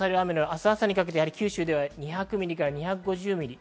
明日朝にかけて九州では２００ミリから２５０ミリ。